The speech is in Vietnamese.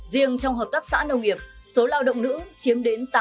riêng trong hợp tác xã nông nghiệp số lao động nữ chiếm đến tám